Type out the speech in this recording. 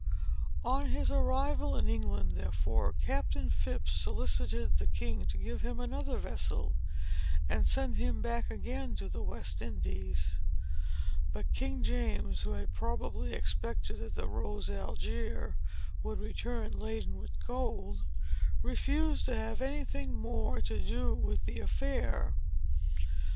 On his arrival in England, therefore, Captain Phips solicited the king to let him have another vessel, and send him back again to the West Indies. But King James, who had probably expected that the Rose Algier would return laden with gold, refused to have any thing more to do with the affair.